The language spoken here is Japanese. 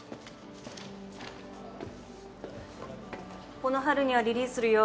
この春にはリリースするよ